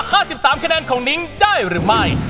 ๕๓คะแนนของนิ้งได้หรือไม่